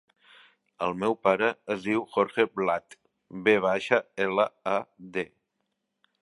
El meu pare es diu Jorge Vlad: ve baixa, ela, a, de.